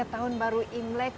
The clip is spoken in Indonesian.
tahun baru imlek